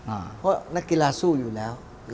เพราะนักกีฬาสู้อยู่แล้ว